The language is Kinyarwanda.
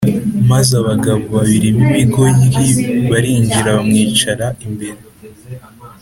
Maze abagabo babiri b’ibigoryi barinjira bamwicara imbere